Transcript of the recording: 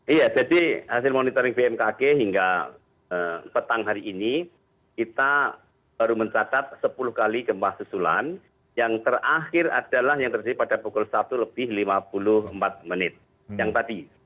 iya jadi hasil monitoring bmkg hingga petang hari ini kita baru mencatat sepuluh kali gempa susulan yang terakhir adalah yang terjadi pada pukul satu lebih lima puluh empat menit yang tadi